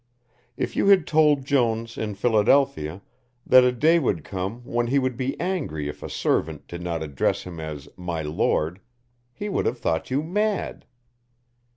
If you had told Jones in Philadelphia that a day would come when he would be angry if a servant did not address him as "my Lord," he would have thought you mad.